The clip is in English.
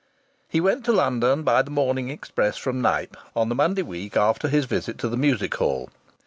He went to London by the morning express from Knype, on the Monday week after his visit to the music hall.